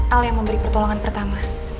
al yang memberi pertolongan pertama